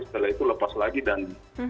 setelah itu lepas lagi dan